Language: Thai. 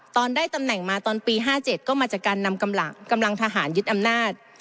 ตอนได้ตำแหน่งมาตอนปี๕๗ก็มาจากการนำกำลังทหารยึดอำนาจ